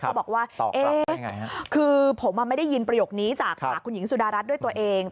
เขาบอกว่าคือผมไม่ได้ยินประโยคนี้จากปากคุณหญิงสุดารัฐด้วยตัวเอง